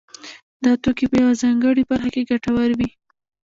دا توکي په یوه ځانګړې برخه کې ګټور وي